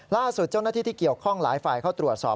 ล่าสุดเจ้าหน้าที่ที่เกี่ยวข้องหลายฝ่ายเข้าตรวจสอบ